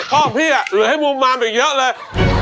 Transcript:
พ่อพี่อ่ะเหลือให้มูลมามอีกเยอะเลย